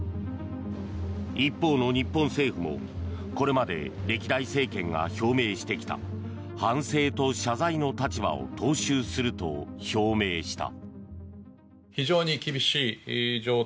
一方の日本政府もこれまで歴代政権が表明してきた反省と謝罪の立場を踏襲すると表明した。